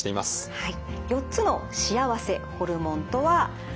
はい。